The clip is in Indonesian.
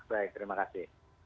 baik terima kasih